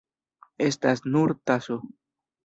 Estas nur taso.